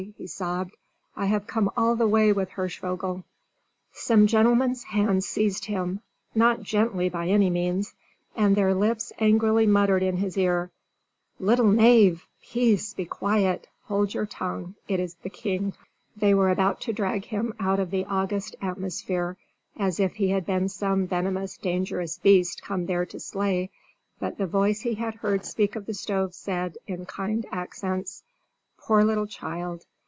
he sobbed. "I have come all the way with Hirschvogel!" Some gentlemen's hands seized him, not gently by any means, and their lips angrily muttered in his ear, "Little knave, peace! be quiet! hold your tongue! It is the king!" They were about to drag him out of the august atmosphere as if he had been some venomous, dangerous beast come there to slay, but the voice he had heard speak of the stove said, in kind accents, "Poor little child!